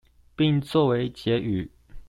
並做為結語